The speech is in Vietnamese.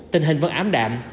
tình hình vẫn ám đạm